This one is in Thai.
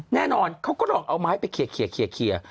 แน่นอนเขาก็ลองเอาไม้ไปเคลียร์